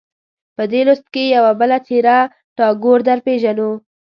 په دې لوست کې یوه بله څېره ټاګور درپېژنو.